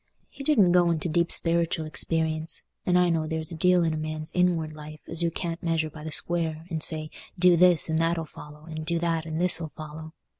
He didn't go into deep speritial experience; and I know there s a deal in a man's inward life as you can't measure by the square, and say, 'Do this and that 'll follow,' and, 'Do that and this 'll follow.